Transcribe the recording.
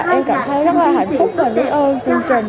em cảm thấy rất là hạnh phúc và lý ơn chương trình